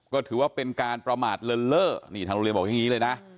ก็ถือว่าเป็นการประมาทเลินเล่อนี่ทางโรงเรียนบอกอย่างนี้เลยนะ